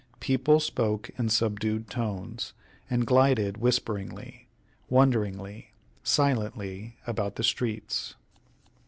People spoke in subdued tones, and glided whisperingly, wonderingly, silently about the streets.